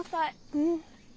うん。